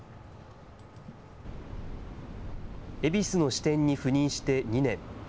恵比寿の支店に赴任して２年。